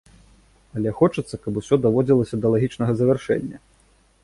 Але хочацца, каб усё даводзілася да лагічнага завяршэння.